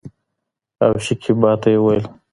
او شکيبا ته يې وويل